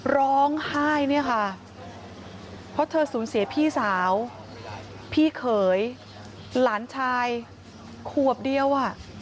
ร้องไห้เนี่ยค่ะเพราะเธอสูญเสียพี่สาวพี่เขยหลานชายขวบเดียวอ่ะ